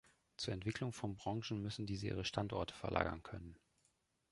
Zur Entwicklung von Branchen müssen diese ihre Standorte verlagern können.